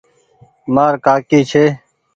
مآر ڪآڪي ڇي ۔